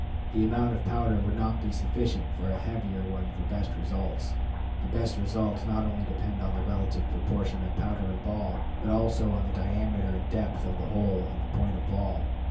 The amount of powder would not be sufficient for a heavier one for best results. The best results not only depend on the relative proportion of powder and ball, but also on the diameter and depth of the hole in the point of ball.